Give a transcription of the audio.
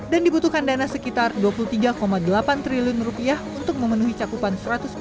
dan dibutuhkan dana sekitar dua puluh tiga delapan triliun rupiah untuk memenuhi cakupan seratus